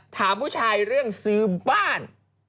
ถามผู้ชายเรื่องซื้อบ้าน